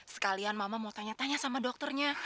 sekalian mama mau tanya tanya sama dokternya